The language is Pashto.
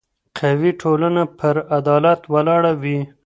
قوي ټولنه پر عدالت ولاړه وي